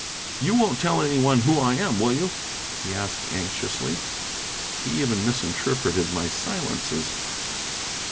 "You won't tell anyone who I am, will you?" he asked anxiously. He even misinterpreted my silences.